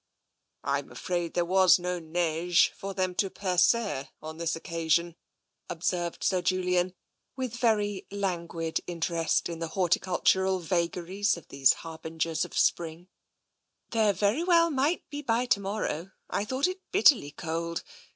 " I am afraid there was no neige for them to percer on this occasion," observed Sir Julian, with very lan guid interest in the horticultural vagaries of these har bingers of spring. 165 i66 TENSION "There very well might be, by to morrow. I thought it bitterly cold.